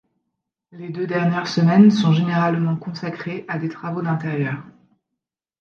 Les deux dernières semaines sont généralement consacrées à des travaux d’intérieur.